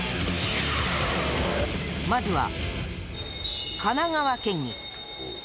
まずは神奈川県議。